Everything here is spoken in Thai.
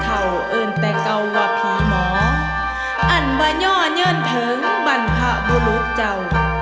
อันบะย่อเงินเทิงบรรพบุรุษเจ้า